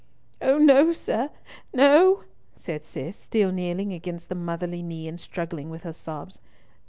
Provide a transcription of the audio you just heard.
"Oh no, sir, no," said Cis, still kneeling against the motherly knee and struggling with her sobs.